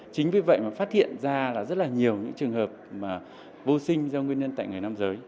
chính vì vậy mà phát hiện ra rất nhiều trường hợp vô sinh do nguyên nhân tại người nam giới